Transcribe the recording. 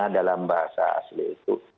dalam bahasa asli itu